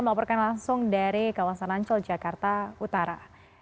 melaporkan langsung dari kawasan ancol jakarta utara